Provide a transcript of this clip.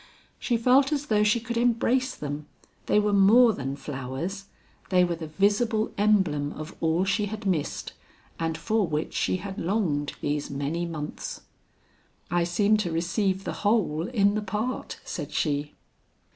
She felt as though she could embrace them; they were more than flowers, they were the visible emblem of all she had missed, and for which she had longed these many months. "I seem to receive the whole in the part," said she.